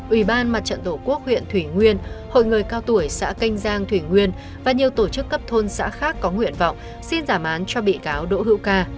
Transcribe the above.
ủy ban mặt trận tổ quốc huyện thủy nguyên hội người cao tuổi xã canh giang thủy nguyên và nhiều tổ chức cấp thôn xã khác có nguyện vọng xin giảm án cho bị cáo đỗ hữu ca